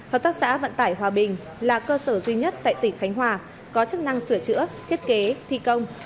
hợp tác xã vận tải hòa bình là cơ sở duy nhất tại tỉnh khánh hòa có chức năng sửa chữa thiết kế thi công